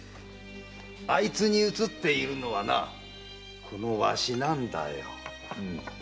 あいつに映っているのはこのわしなんだよ。